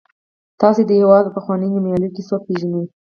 تاسې د هېواد په پخوانیو نومیالیو کې څوک پیژنئ.